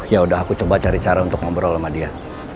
ya udah aku coba cari cara untuk ngobrol sama dia